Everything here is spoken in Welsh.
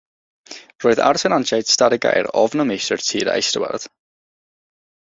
Roedd ar denantiaid stad y Gaer ofn y meistr tir a'i stiward.